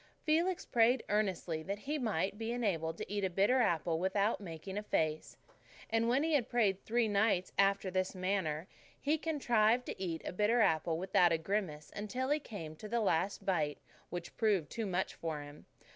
Felix prayed earnestly that he might be enabled to eat a bitter apple without making a face. And when he had prayed three nights after this manner, he contrived to eat a bitter apple without a grimace until he came to the last bite, which proved too much for him.